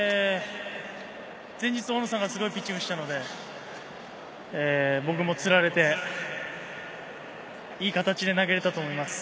前日、大野さんがすごいピッチングをしたので、僕もつられていい形で投げられたと思います。